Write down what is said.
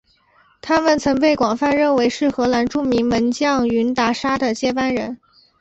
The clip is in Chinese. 他曾被广泛认为是荷兰著名门将云达沙的接班人。